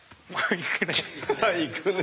いくね。